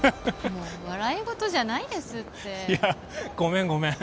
もう笑いごとじゃないですっていやごめんごめん